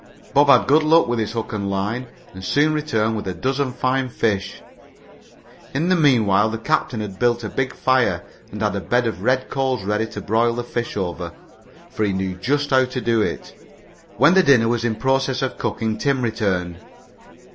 Bob had good luck with his hook and line and soon returned with a dozen fine fish. In the meanwhile the captain had built a big fire and had a bed of red coals ready to broil the fish over, for he knew just how to do it. When the dinner was in process of cooking Tim returned.